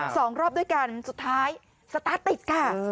สองรอบด้วยกันสุดท้ายสตาร์ทติดค่ะ